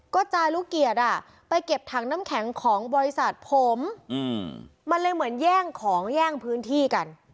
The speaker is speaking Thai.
ก็จารุเกียรติไปเก็บถังน้ำแข็งของบริษัทผมมันเลยเหมือนแย่งของแย่งพื้นที่กัน